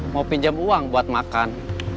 mau pinjam uang buat makan